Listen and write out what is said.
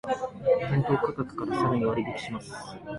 店頭価格からさらに割引します